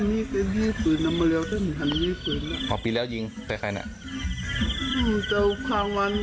มันอยู่กับบ้านตั้งจากที่ตั้งวัน